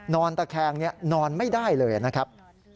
นอนตะแคงนอนไม่ได้เลยนะครับ